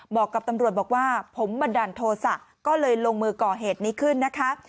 บอกกับตำรวจบอกว่าผมบันดาลโทษะก็เลยลงมือก่อเหตุนี้ขึ้นนะคะ